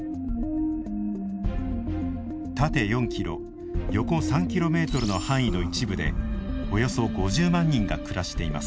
縦４ｋｍ横３ｋｍの範囲の一部でおよそ５０万人が暮らしています。